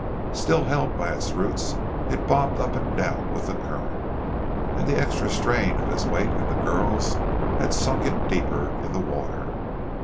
Still held by its roots it bobbed up and down with the current, and the extra strain of his weight and the girl's had sunk it deeper in the water.